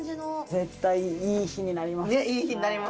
ねぇ、いい日になりますね。